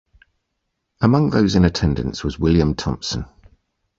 Among those in attendance was William Thomson.